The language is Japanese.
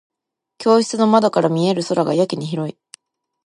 教室の窓から見える空がやけに広い。